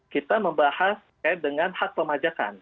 kita membahas dengan hak pemajakan